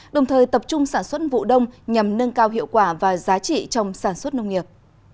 đồng thời tập trung sản xuất vụ đông nhằm nâng cao hiệu quả và giá trị trong sản xuất nông nghiệp